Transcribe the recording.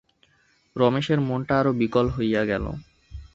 রমেশের মনটা আরো বিকল হইয়া গেল।